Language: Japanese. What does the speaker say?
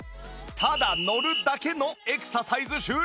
ただ乗るだけのエクササイズ終了！